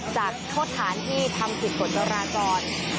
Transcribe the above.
จากโทษฐานที่ทำผิดกฎจราจร